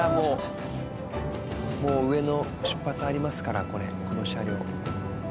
もう上野出発ありますからこれこの車両。